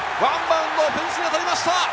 ワンバウンド、フェンスに当たりました！